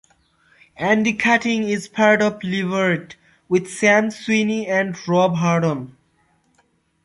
Andy Cutting is part of Leveret, with Sam Sweeney and Rob Harbron.